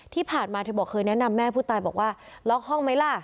ที่ผ่านมาเธอบอกเคยแนะนำแม่ผู้ตายบอกว่าล็อกห้องไหมล่ะ